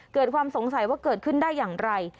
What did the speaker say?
เกิดความสงสัยว่าเกิดขึ้นได้อย่างไร